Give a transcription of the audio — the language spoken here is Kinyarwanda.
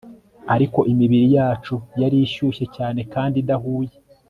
ariko imibiri yacu yari ishyushye cyane kandi idahuye